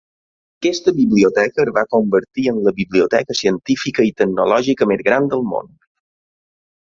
Aquesta biblioteca es va convertir en la biblioteca científica i tecnològica més gran del món.